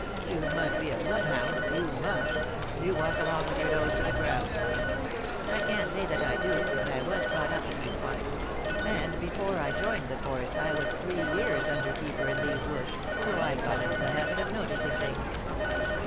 " You must be a bloodhound, you must Do you walk along with your nose to the ground ?" no 3i 9 iii^d by Google THE INTERRUPTED KISS " I can't say that I do, but I was brought up in these parts ; and before I joined the force I was three years nnder keeper in these woods, so I got into the habit of noticing things."